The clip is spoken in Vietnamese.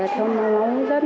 nó nóng rất nặng rồi